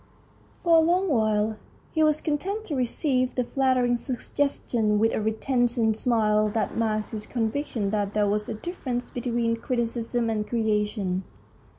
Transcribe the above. For a long while he was content to receive the 120 THE STORY OF A BOOK flattering suggestion with a reticent smile that masked his conviction that there was a differ ence between criticism and creation.